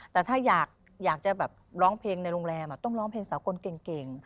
แต่ถ้าอยากจะแบบร้องเพลงในโรงแรมต้องร้องเพลงสากลเก่ง